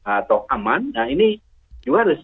atau aman nah ini juga harus